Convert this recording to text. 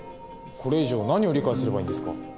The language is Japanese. これ以上何を理解すればいいんですか？